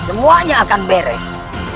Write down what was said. semuanya akan beres